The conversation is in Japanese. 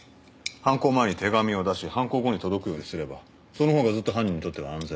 犯行前に手紙を出し犯行後に届くようにすればその方がずっと犯人にとっては安全なはずだ。